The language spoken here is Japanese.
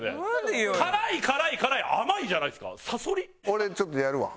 俺ちょっとやるわ。